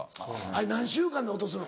あれ何週間で落とすの？